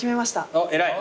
おっ偉い。